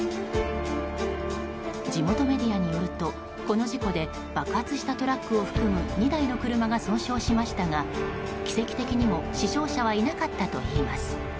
地元メディアによるとこの事故で爆発したトラックを含む２台の車が損傷しましたが奇跡的にも死傷者はいなかったといいます。